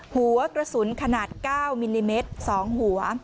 หัวกระสุนขนาด๙มิลลิเมตร๒หัว